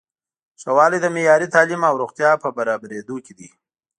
ښه والی د معیاري تعلیم او روغتیا په برابریدو کې دی.